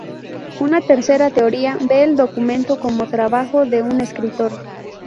Una tercera teoría ve el documento como trabajo de un escritor.